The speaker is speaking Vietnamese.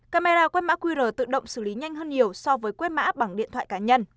camera quét mã qr tự động xử lý nhanh hơn nhiều so với quét mã bằng điện thoại cá nhân